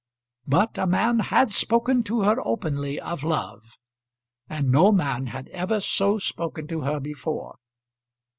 But a man had spoken to her openly of love, and no man had ever so spoken to her before.